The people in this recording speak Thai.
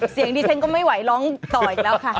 เสียงดิฉันก็ไม่ไหวร้องต่ออีกแล้วค่ะ